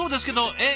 え？